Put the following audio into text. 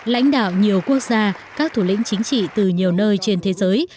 lãnh đạo nhiều quốc gia các thủ lĩnh chính trị từ nhiều nơi trên thế giới